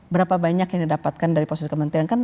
berapa banyak yang didapatkan dari posisi kementerian kan